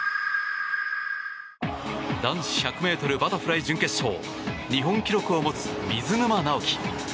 男子１００ｍバタフライ準決勝日本記録を持つ水沼尚輝。